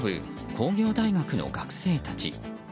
工業大学の学生たち。